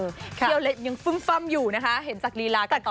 เที่ยวเล็บยังฟึ้มฟัมอยู่นะคะเห็นจากรีลากับต่อผู้ชม